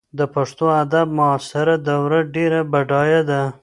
د پښتو ادب معاصره دوره ډېره بډایه ده.